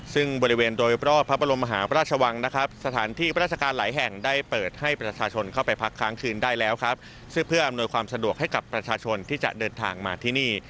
ซึ่งเพื่ออำนวยความสะดวกให้กับประชาชนที่จะเดินทางมาที่นี่